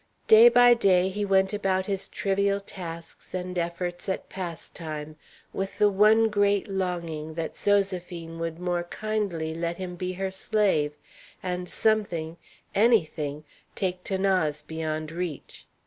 Day by day he went about his trivial tasks and efforts at pastime with the one great longing that Zoséphine would more kindly let him be her slave, and something any thing take 'Thanase beyond reach.